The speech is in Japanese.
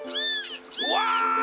うわ！